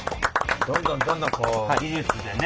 どんどんどんどんこう技術でね